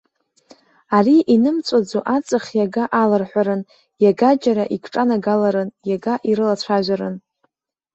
Ари инымҵәаӡо аҵх иага алырҳәарын, иагаџьара икҿанагаларын, иага ирылацәажәарын.